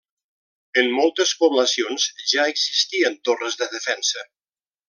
En moltes poblacions ja existien torres de defensa.